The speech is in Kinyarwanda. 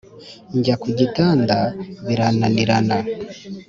njya ku gitanda birananirana